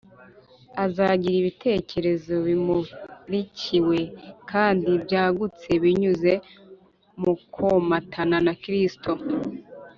azagira ibitekerezo bimurikiwe kandi byagutse binyuze mu komatana na kristo